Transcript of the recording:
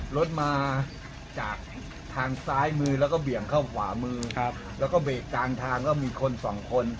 รถมาจากทางซ้ายมือแล้วก็เบี่ยงเข้าขวามือแล้วก็เบรกกลางทางก็มีคนสองคน